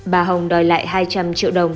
bà hồng đòi lại hai trăm linh triệu đồng